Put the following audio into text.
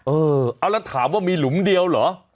เออเอาแล้วถามว่ามีหลุมเดียวเหรอ